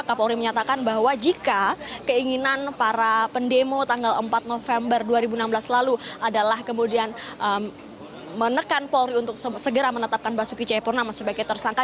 kapolri menyatakan bahwa jika keinginan para pendemo tanggal empat november dua ribu enam belas lalu adalah kemudian menekan polri untuk segera menetapkan basuki cepurnama sebagai tersangka